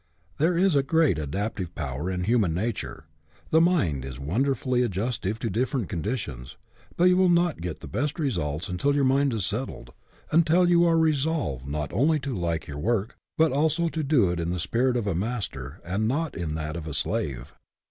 There is a great adaptive power in human nature. The mind is wonderfully adjustive to different conditions; but you will not get the best results until your mind is settled, until you are resolved not only to like your work, but also to do it in the spirit of a master and not in that of a slave.